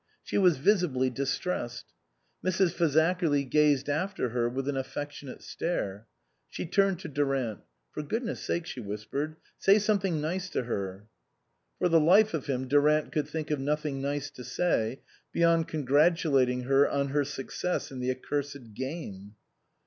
She was visibly distressed. Mrs. Fazakerly gazed after her with an affec tionate stare. She turned to Durant. " For goodness' sake," she whispered, " say something nice to her." For the life of him Durant could think of nothing nice to say, beyond congratulating her on her success in the accursed game.